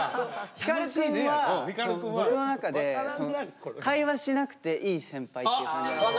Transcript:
光くんは僕の中で会話しなくていい先輩っていう感じなんですよね。